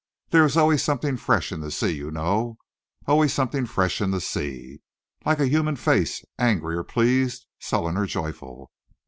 There is always something fresh in the sea, you know always something fresh in the sea. Like a human face angry or pleased, sullen or joyful.